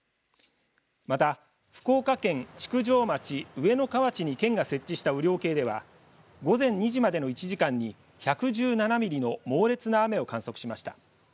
また福岡県築上町上ノ河内に県が設置した雨量計では午前２時までの１時間に１１７ミリの猛烈な雨を観測しました。